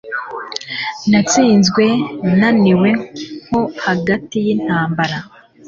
Natsinzwe naniwe nko hagati y'intambara